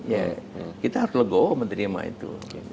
ya kita harus legowo menerima itu